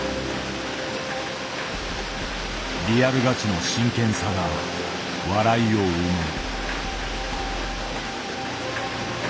リアルガチの真剣さが笑いを生む。